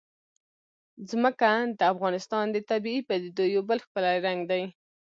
ځمکه د افغانستان د طبیعي پدیدو یو بل ښکلی رنګ دی.